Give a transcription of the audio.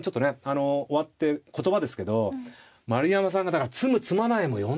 あの終わって言葉ですけど丸山さんがだから詰む詰まないも読んでたんですね。